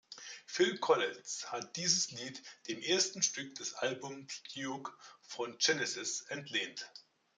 Phil Collins hat dieses Lied dem ersten Stück des Albums "Duke" von Genesis entlehnt.